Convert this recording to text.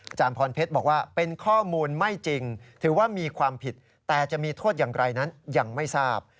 อาจารย์พรเพชรบอกว่าเป็นข้อมูลไม่จริงถือว่ามีความผิดแต่จะมีโทษอย่างไรนั้นยังไม่ทราบ